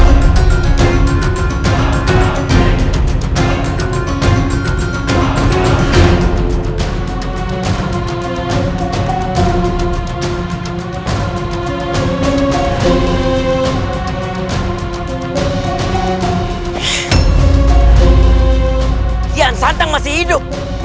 raden kian satang masih hidup